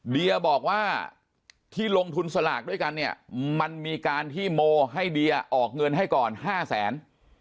เดียบอกว่าที่ลงทุนสลากด้วยกันเนี่ยมันมีการที่โมให้เดียออกเงินให้ก่อน๕แสน